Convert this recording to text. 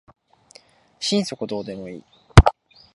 心底どうでもいい